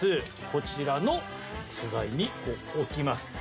こちらの素材に置きます。